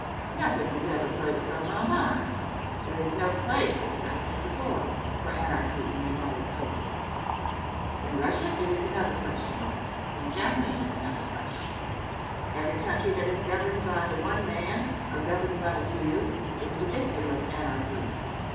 Nothing was ever further from my mind. There is no place, as I said before, for anarchy in the United States. In Russia it is another question; in Germany another question. Every country that is governed by the one man, or governed by the few, is the victim of anarchy.